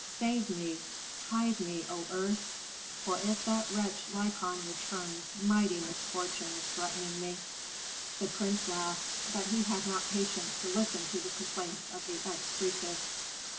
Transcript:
"Save me! Hide me, O earth! for if that wretch Lykon returns mighty misfortune is threatening me." The prince laughed, but he had not patience to listen to the complaints of the ex priestess.